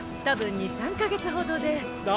多分２３か月ほどで。